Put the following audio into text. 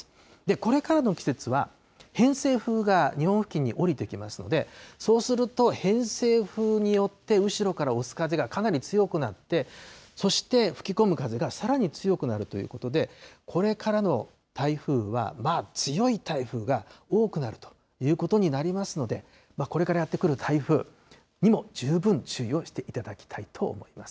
これからの季節は、偏西風が日本付近に降りてきますので、そうすると、偏西風によって後ろから押す風がかなり強くなって、そして吹き込む風がさらに強くなるということで、これからの台風は強い台風が多くなるということになりますので、これからやって来る台風にも十分注意をしていただきたいと思います。